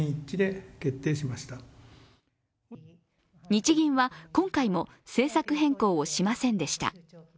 日銀は今回も政策変更をしませんでした。